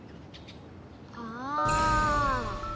ああ。